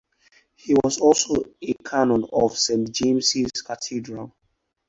He was also a canon of Saint James' Cathedral.